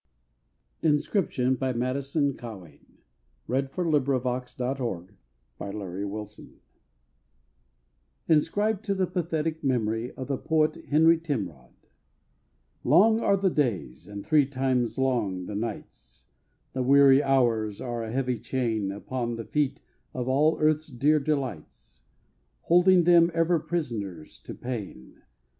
N BOSTON COPELAND AND DAY M D CCC XCVI COPYRIGHT 1896 BY COPELAND AND DAY INSCRIBED TO THE PATHETIC MEMORY OF THE POET HENRY TIMROD _Long are the days, and three times long the nights. The weary hours are a heavy chain Upon the feet of all Earth's dear delights, Holding them ever prisoners to pain.